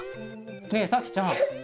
ねえさきちゃん